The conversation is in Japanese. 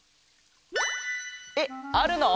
えっあるの？